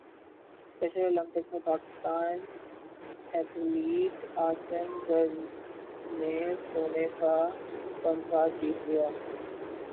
special Olympics میں Pakistani athlete Asim Zar نے سونے کا تمغہ جیت لیا